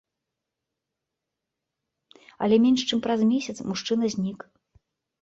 Але менш чым праз месяц мужчына знік.